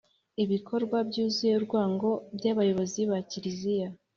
Ibikorwa byuzuye urwango by abayobozi ba kiliziya